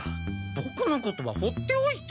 ボクのことはほっておいてよ。